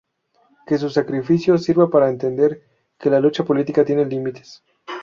Que su sacrificio sirva para entender que la lucha política tiene límites.